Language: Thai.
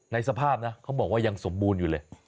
สภาพนะเขาบอกว่ายังสมบูรณ์อยู่เลย